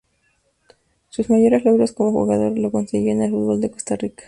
Sus mayores logros como jugador los consiguió en el fútbol de Costa Rica.